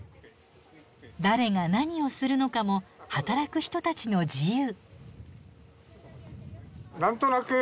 誰が何をするのかも働く人たちの自由。